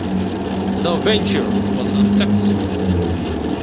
The venture was unsuccessful.